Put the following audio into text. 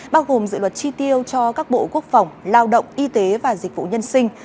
bao gồm dự luật chi tiêu cho các bộ quốc phòng lao động y tế và dịch vụ nhân sinh